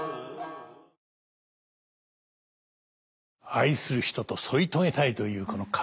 愛する人と添い遂げたいというこのかさねの気持ち